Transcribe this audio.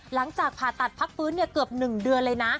หลังจากผ่าตัดพักฟื้นเกือบ๑เดือนเลยนะ